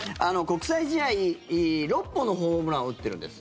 国際試合６本のホームランを打ってるんです。